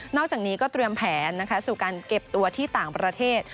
อกจากนี้ก็เตรียมแผนสู่การเก็บตัวที่ต่างประเทศ